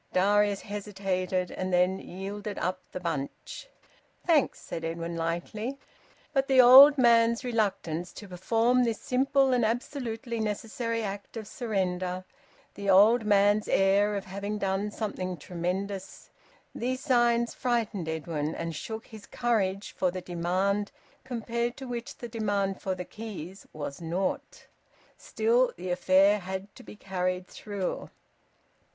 Darius hesitated, and then yielded up the bunch. "Thanks," said Edwin lightly. But the old man's reluctance to perform this simple and absolutely necessary act of surrender, the old man's air of having done something tremendous these signs frightened Edwin and shook his courage for the demand compared to which the demand for the keys was naught. Still, the affair had to be carried through.